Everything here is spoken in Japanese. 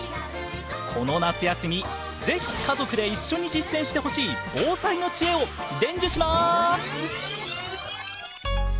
この夏休みぜひ家族で一緒に実践してほしい防災の知恵を伝授します！